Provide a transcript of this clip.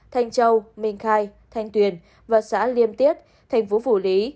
thanh châu minh khai thanh tuyền và xã liêm tiết thành phố phủ lý